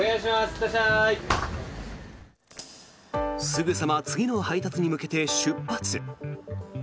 すぐさま次の配達に向けて出発。